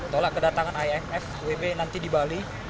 tolak kedatangan imf wb nanti di bali